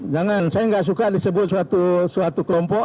jangan saya nggak suka disebut suatu kelompok